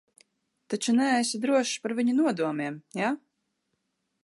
Taču neesi drošs par viņu nodomiem, jā?